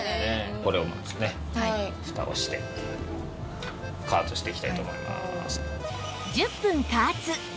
これをまずねフタをして加圧していきたいと思います。